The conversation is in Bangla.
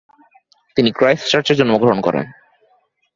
তিনি ক্রাইস্টচার্চে জন্মগ্রহণ করেন।